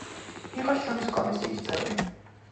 იყო შრომის კომისიის წევრი.